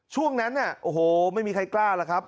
ช่วงนั้นน่ะโอ้โหไม่มีใครกล้าหรอกครับ